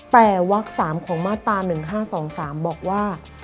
แต่วัก๓ของมาตรา๑๕๒๓บอกว่า